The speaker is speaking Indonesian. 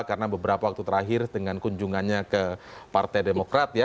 karena beberapa waktu terakhir dengan kunjungannya ke partai demokrat ya